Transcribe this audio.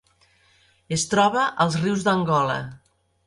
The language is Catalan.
Es troba als rius d'Angola.